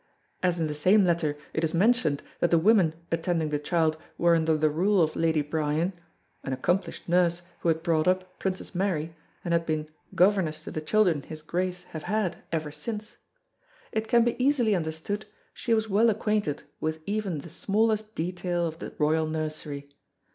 As in the same letter it is mentioned that the women attending the child were under the rule of Lady Bryan an accomplished nurse who had brought up Princess Mary and had been "governess to the children his Grace have had ever since" it can be easily understood she was well acquainted with even the smallest detail of the royal nursery.